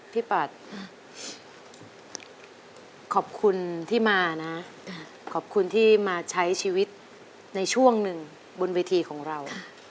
ปัดขอบคุณที่มานะขอบคุณที่มาใช้ชีวิตในช่วงหนึ่งบนเวทีของเรา